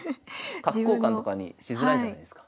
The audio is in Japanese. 角交換とかにしづらいじゃないですか。